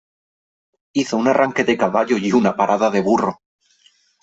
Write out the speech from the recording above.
Hizo un arranque de caballo y una parada de burro.